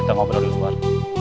kita ngobrol di luar